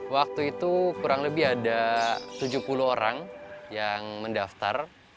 waktu itu kurang lebih ada tujuh puluh orang yang mendaftar